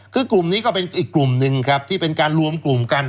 คือกลุ่มนี้ก็เป็นอีกกลุ่มหนึ่งครับที่เป็นการรวมกลุ่มกัน